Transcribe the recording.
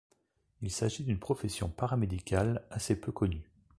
Il s'agit d'une profession paramédicale assez peu connue.